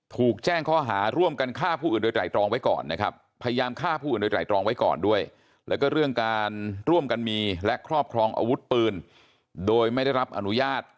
ที่พร่อมกันมีและครอบครองอาวุธปืนโดยไม่ได้รับอนุญาต